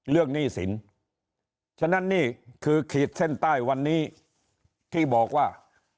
หนี้สินฉะนั้นนี่คือขีดเส้นใต้วันนี้ที่บอกว่า